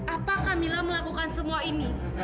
apa kamila melakukan semua ini